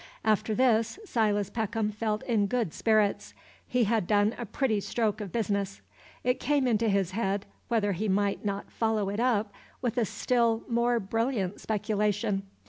After this, Silas Peckham felt in good spirits. He had done a pretty stroke of business. It came into his head whether he might not follow it up with a still more brilliant speculation.